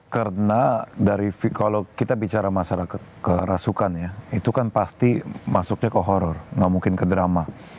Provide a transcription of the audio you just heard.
karena kalau kita bicara masalah kerasukan ya itu kan pasti masuknya ke horror gak mungkin ke drama